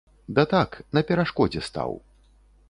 Да так, на перашкодзе стаў.